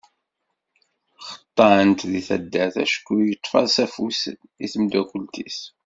Xeṭṭan-t di taddart acku yeṭṭef-as afus i temdakelt-is.